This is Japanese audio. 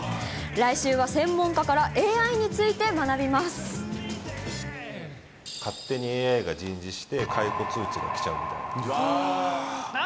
来週は専門家からＡＩについて学勝手にＡＩが人事して、解雇通知がきちゃうみたいな。